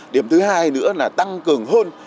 điểm thứ hai nữa là tăng cường hơn